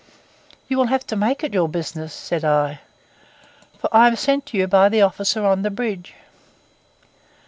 'You will have to make it your business,' said I, 'for I am sent to you by the officer on the bridge.